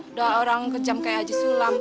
udah orang kejam kayak haji sulam